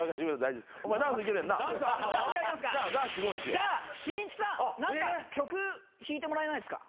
じゃあしんいちさん何か曲弾いてもらえないですか？